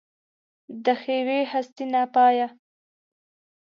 د ښېوې هستي ناپایه